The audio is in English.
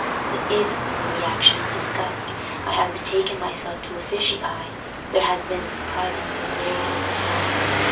But if, in the reaction of disgust, I have betaken myself to a fishy eye, there has been a surprising similarity of result.